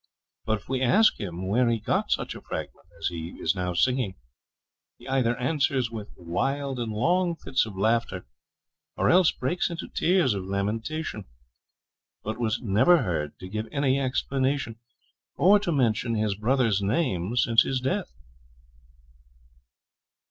But if we ask him where he got such a fragment as he is now singing, he either answers with wild and long fits of laughter, or else breaks into tears of lamentation; but was never heard to give any explanation, or to mention his brother's name since his death.'